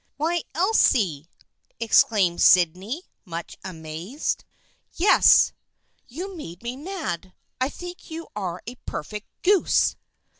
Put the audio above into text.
" Why, Elsie !" exclaimed Sydney, much amazed. " Yes, you make me mad. I think you are a perfect goose."